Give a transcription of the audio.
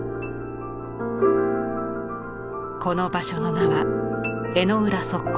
この場所の名は「江之浦測候所」。